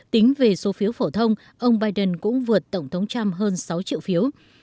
tính về số phiếu phổ thông ông biden cũng vượt tổng thống trump hơn sáu triệu phiếu